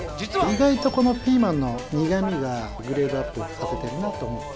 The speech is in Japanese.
意外と、このピーマンにがみがグレードアップさせてるなって。